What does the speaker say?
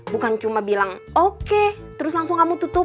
bukan cuma bilang oke terus langsung kamu tutup